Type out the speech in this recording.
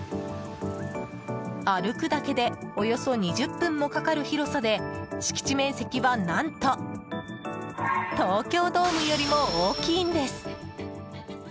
歩くだけでおよそ２０分もかかる広さで敷地面積は、何と東京ドームよりも大きいんです！